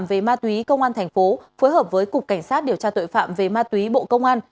về ma túy công an thành phố phối hợp với cục cảnh sát điều tra tội phạm về ma túy bộ công an